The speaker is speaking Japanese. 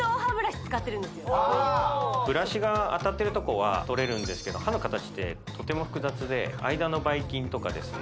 ブラシが当たってるとこはとれるんですけど歯の形ってとても複雑で間のばい菌とかですね